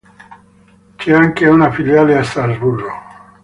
C'è anche una filiale a Strasburgo.